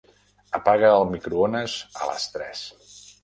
Apaga el microones a les tres.